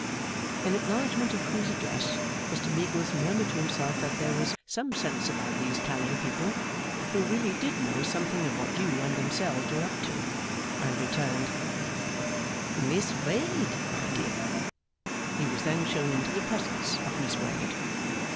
In acknowledgment of whose address, Mr Meagles murmured to himself that there was some sense about these Calais people, who really did know something of what you and themselves were up to; and returned, 'Miss Wade, my dear.' He was then shown into the presence of Miss Wade.